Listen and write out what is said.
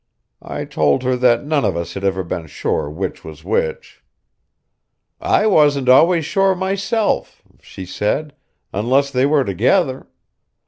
I told her that none of us had ever been sure which was which. "I wasn't always sure myself," she said, "unless they were together.